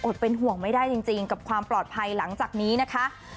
เป็นห่วงไม่ได้จริงกับความปลอดภัยหลังจากนี้นะคะ